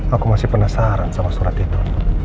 aku masih penasaran sama surat itu